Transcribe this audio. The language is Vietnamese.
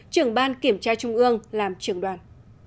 trưởng ban kiểm tra trung ương làm trưởng đoàn